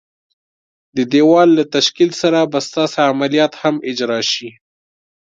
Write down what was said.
د دېوال له تشکیل سره به ستاسي عملیات هم اجرا شي.